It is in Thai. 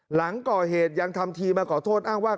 หลังก่อเหตุยังทำทีมาขอโทษอ้างว่า